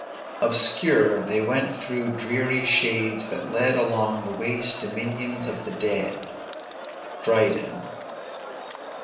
"Obscure they went through dreary shades that led Along the waste dominions of the dead." DRYDEN.